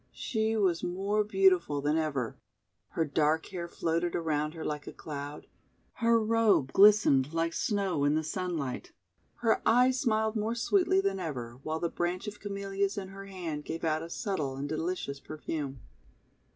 She was more? beautiful than ever. Her dark hair floated around her like a cloud; her robe glistened like Sno<v in the sunlight; her eyes smiled more sweetly than ever; while the branch of Camellias in her hand gave out a subtle and delicious perfume.